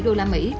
cho sản phẩm gỗ